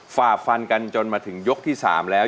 ฝ่าฟันกันจนมาถึงยกที่๓แล้ว